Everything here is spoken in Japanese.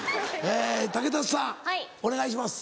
竹達さんお願いします。